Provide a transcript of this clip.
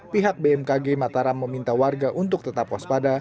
pihak bmkg mataram meminta warga untuk tetap waspada